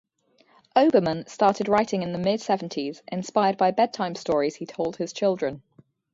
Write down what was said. Oberman started writing in the mid-seventies, inspired by bedtime stories he told his children.